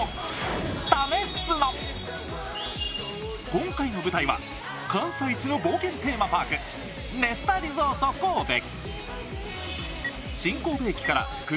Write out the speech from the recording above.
今回の舞台は関西一の冒険テーマパークネスタリゾート神戸。